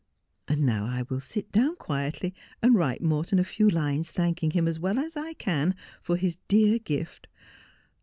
And now I will sit down quietly and write Morton a few lines thanking him, as well as I can, for his dear gift.